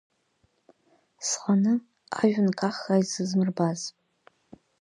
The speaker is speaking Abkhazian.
Сханы ажәҩан каххаа исызмырбаз.